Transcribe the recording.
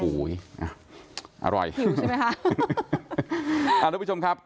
โอ้โหอร่อยหิวใช่ไหมคะอ่าทุกผู้ชมครับ